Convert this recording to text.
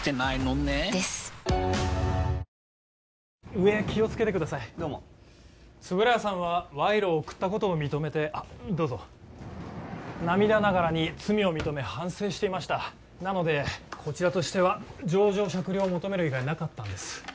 上気をつけてくださいどうも円谷さんは賄賂を贈ったことを認めてあっどうぞ涙ながらに罪を認め反省していましたなのでこちらとしては情状酌量を求める以外なかったんです